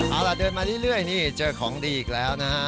เอาล่ะเดินมาเรื่อยนี่เจอของดีอีกแล้วนะฮะ